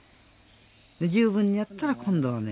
十分にやったら、今度はね